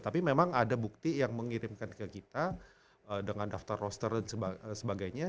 tapi memang ada bukti yang mengirimkan ke kita dengan daftar roster dan sebagainya